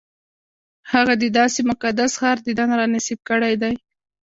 هغه د داسې مقدس ښار دیدن را نصیب کړی دی.